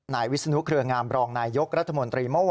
วิศนุเครืองามรองนายยกรัฐมนตรีเมื่อวาน